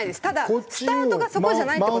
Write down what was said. ただスタートがそこじゃない。